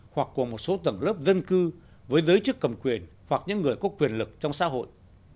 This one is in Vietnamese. hoặc của một số tầng lớp dân cư với giới chức cầm quyền hoặc những người có quyền lực trong xã hội